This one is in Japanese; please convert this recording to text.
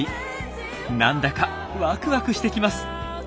なんだかワクワクしてきます。